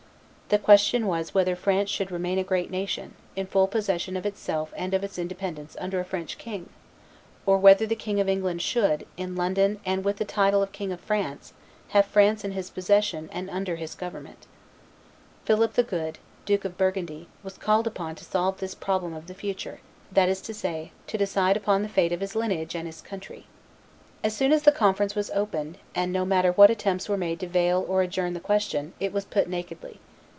The question was whether France should remain a great nation, in full possession of itself and of its independence under a French king, or whether the King of England should, in London and with the title of King of France, have France in his possession and under his government. Philip the Good, Duke of Burgundy, was called upon to solve this problem of the future, that is to say, to decide upon the fate of his lineage and his country. [Illustration: Philip the Good of Burgundy 144] As soon as the conference was opened, and no matter what attempts were made to veil or adjourn the question, it was put nakedly.